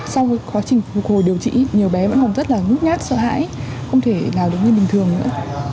sau quá trình phục hồi điều trị nhiều bé vẫn còn rất là ngút nhát sợ hãi không thể nào được như bình thường nữa